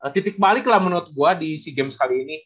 titik balik lah menurut gua di si games kali ini